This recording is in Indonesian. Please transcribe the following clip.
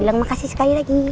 bilang makasih sekali lagi